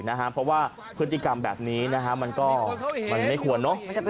เพราะว่าพฤติกรรมแบบนี้นะฮะมันก็มันไม่ควรเนอะ